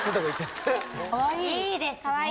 いいですね。